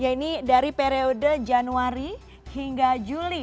ini dari periode januari hingga juli